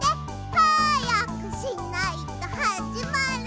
「はやくしないとはじまるよ」